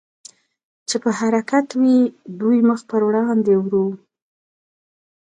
چې په حرکت وې، دوی مخ په وړاندې ورو.